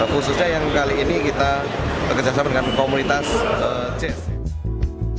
khususnya yang kali ini kita bekerjasama dengan komunitas jazz